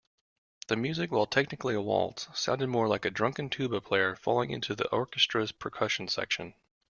The music, while technically a waltz, sounded more like a drunken tuba player falling into the orchestra's percussion section.